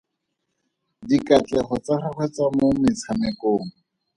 Dikatlego tsa gagwe tsa mo metshamekong.